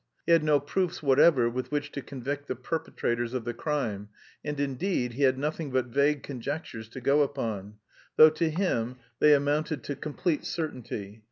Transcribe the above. He had no proofs whatever with which to convict the perpetrators of the crime, and, indeed, he had nothing but vague conjectures to go upon, though to him they amounted to complete certainty.